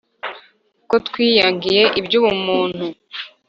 ko twiyangiye iby’ubumuntu